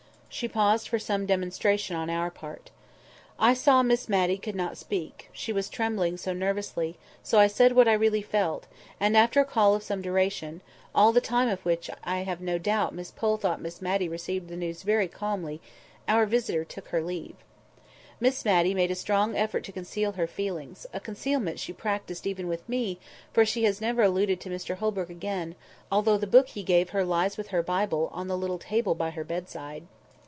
She paused for some demonstration on our part. I saw Miss Matty could not speak, she was trembling so nervously; so I said what I really felt; and after a call of some duration—all the time of which I have no doubt Miss Pole thought Miss Matty received the news very calmly—our visitor took her leave. Miss Matty made a strong effort to conceal her feelings—a concealment she practised even with me, for she has never alluded to Mr Holbrook again, although the book he gave her lies with her Bible on the little table by her bedside.